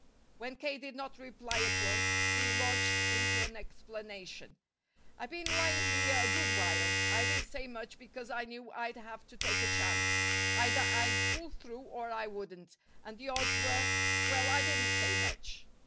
When K. did not reply at once, he launched into an explanation. "I've been lying here a good while. I didn't say much because I knew I'd have to take a chance. Either I'd pull through or I wouldn't, and the odds were well, I didn't say much.